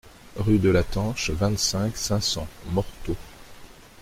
Rue de la Tanche, vingt-cinq, cinq cents Morteau